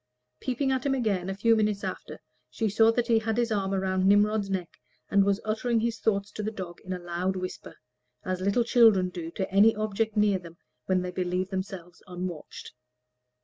Peeping at him again, a few minutes after, she saw that he had his arm round Nimrod's neck, and was uttering his thoughts to the dog in a loud whisper, as little children do to any object near them when they believe themselves unwatched.